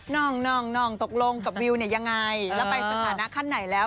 น้องตกลงกับวิวเนี่ยยังไงแล้วไปสถานะขั้นไหนแล้ว